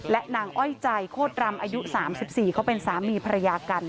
และนางอ้อยใจโคตรรำอายุ๓๔เขาเป็นสามีภรรยากัน